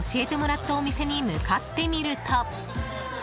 有力情報を聞き教えてもらったお店に向かってみると。